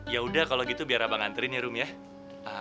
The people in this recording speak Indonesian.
yaudah kalo gitu biar abang nganterin ya rum ya